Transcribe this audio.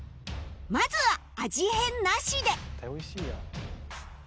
まずは味変なしで